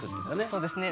そうですね。